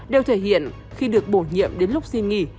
đều thể hiện khi được bổ nhiệm đến lúc di nghị